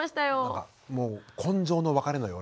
もう今生の別れのような。